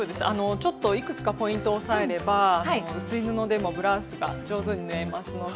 ちょっといくつかポイントを押さえれば薄い布でもブラウスが上手に縫えますので。